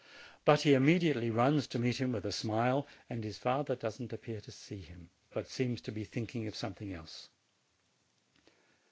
But he immediately runs to meet him, with a smile; and his father does not appear to see him, but seems to be thinking of something else.